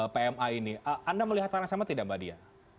pma ini anda melihat tanah sama tidak mbak dian